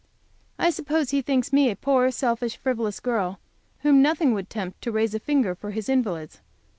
I suppose he thinks me a poor, selfish, frivolous girl, whom nothing would tempt to raise a finger for his invalids.